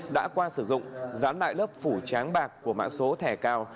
đã qua sử dụng dán lại lớp phủ tráng bạc của mã số thẻ cao